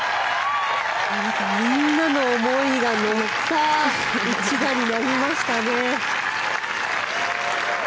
みんなの思いが乗った一打になりましたね。